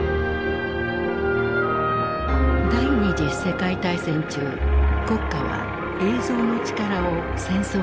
第二次世界大戦中国家は映像の力を戦争に利用した。